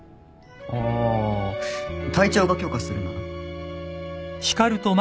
あ隊長が許可するなら。